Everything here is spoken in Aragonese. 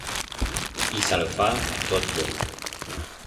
Ixa lo fa tot bueno.